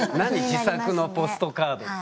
自作のポストカードって。